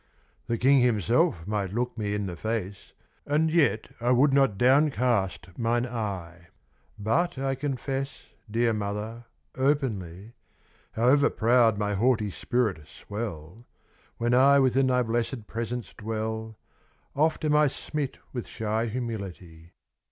The king himself might look me in the face, And yet I would not downward cast mine eye. But I confess, dear mother, openly, However proud my haughty spirit swell, When I within thy blessed presence dwell, Oft am I smit with shy humility.